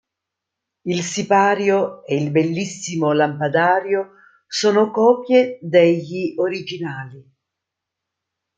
Il sipario e il bellissimo lampadario sono copie degli originali.